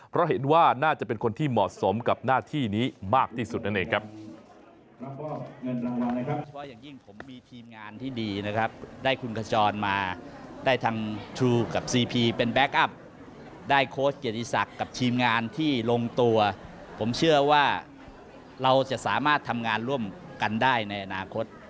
เพราะเห็นว่าน่าจะเป็นคนที่เหมาะสมกับหน้าที่นี้มากที่สุดนั่นเองครับ